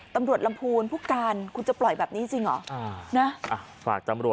ตำรวจลำพูนผู้การคุณจะปล่อยแบบนี้จริงหรอ